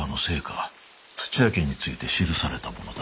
土屋家について記されたものだ。